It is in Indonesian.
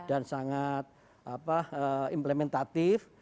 dan sangat implementatif